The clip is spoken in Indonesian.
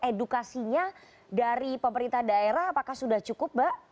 edukasinya dari pemerintah daerah apakah sudah cukup mbak